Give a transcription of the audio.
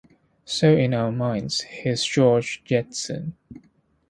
So in our minds, he's George Jetson.